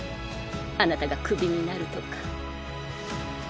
あなたがクビになるとか。